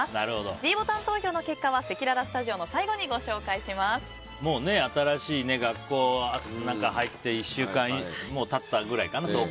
ｄボタン投票の結果はせきららスタジオの最後にもう新しい学校入って１週間経ったくらいかな。